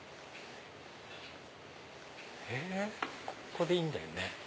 へぇここでいいんだよね。